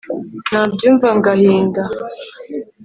Nabyumva ngahinda